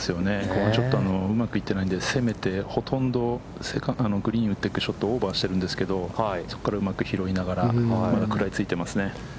ここうまくいってないので、攻めて、ほとんどグリーンを打っていくショット、オーバーしているんですけど、そこからうまく拾いながらまだ食らいついていますね。